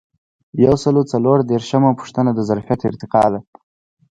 یو سل او څلور دیرشمه پوښتنه د ظرفیت ارتقا ده.